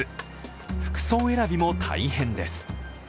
服装選びも大変です。